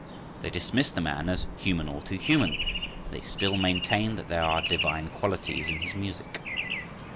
They dismiss the man as "human all too human," but they still maintain that there are divine qualities in his music.